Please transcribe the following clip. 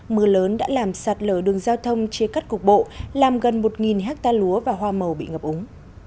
mưa lớn đã làm sạt lờ đường giao thông chia cắt cục bộ làm gần một ha lúa và hoa màu bị ngập ống